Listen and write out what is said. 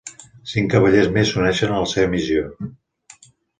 Cinc cavallers més s'uneixen a la seva missió.